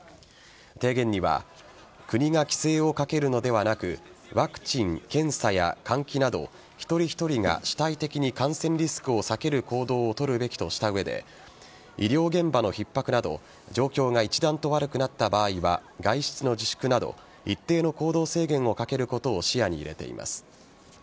提言には国が規制をかけるのではなくワクチン、検査や換気など一人一人が主体的に感染リスクを避ける行動を取るべきとした上で医療現場のひっ迫など状況が一段と悪くなった場合は外出の自粛など一定の行動制限をかけることを視野に入れています。